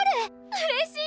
うれしい！